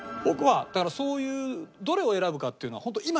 僕はだからそういうどれを選ぶかっていうのは本当